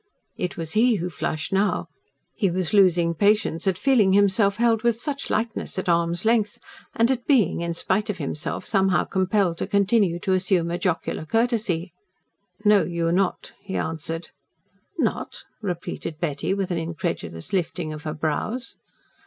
It was he who flushed now. He was losing patience at feeling himself held with such lightness at arm's length, and at being, in spite of himself, somehow compelled to continue to assume a jocular courtesy. "No, you are not," he answered. "Not?" repeated Betty, with an incredulous lifting of her brows.